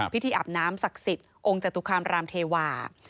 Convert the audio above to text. พิธีอาบน้ำศักดิ์สิทธิ์องค์จัดตุกราบรามเทวา